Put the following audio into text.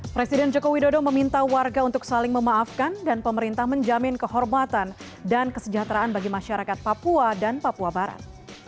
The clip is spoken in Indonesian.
presiden joko widodo meminta warga untuk saling memaafkan dan pemerintah menjamin kehormatan dan kesejahteraan bagi masyarakat papua dan papua barat